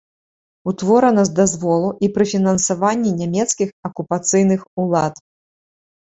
Утворана з дазволу і пры фінансаванні нямецкіх акупацыйных улад.